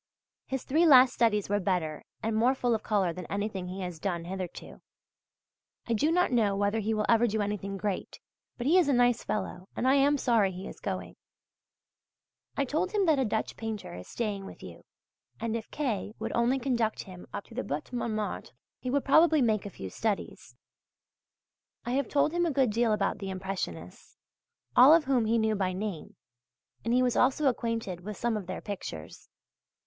His three last studies were better and more full of colour than anything he has done hitherto. I do not know whether he will ever do anything great, but he is a nice fellow, and I am sorry he is going. I told him that a Dutch painter is staying with you, and if K. would only conduct him up to the Butte Montmartre, he would probably make a few studies. I have told him a good deal about the Impressionists, all of whom he knew by name, and he was also acquainted with some of their pictures.